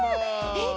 えっ？